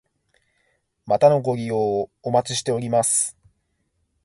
またのご利用お待ちしております。